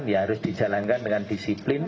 ya harus dijalankan dengan disiplin